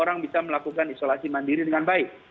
orang bisa melakukan isolasi mandiri dengan baik